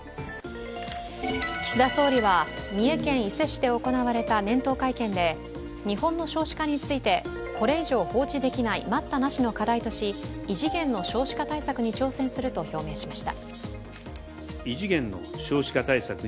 岸田総理は三重県伊勢市で行われた年頭会見で日本の少子化について、これ以上放置できない、待ったなしの課題とし、異次元の少子化対策に挑戦すると表明しました。